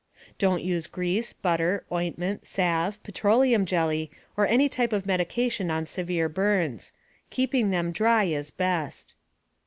Don't use grease, butter, ointment, salve, petroleum jelly, or any type of medication on severe burns. Keeping them dry is best.